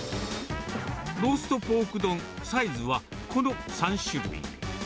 ローストポーク丼、サイズはこの３種類。